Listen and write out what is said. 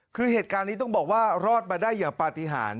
คือเหตุการณ์นี้ต้องบอกว่ารอดมาได้อย่างปฏิหาร